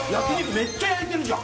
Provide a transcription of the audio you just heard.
めっちゃ焼いてるじゃん